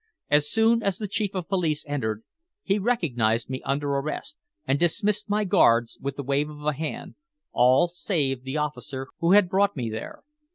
As soon as the Chief of Police entered, he recognized me under arrest, and dismissed my guards with a wave of the hand all save the officer who had brought me there.